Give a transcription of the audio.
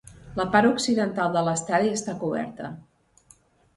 La part occidental de l'estadi està coberta.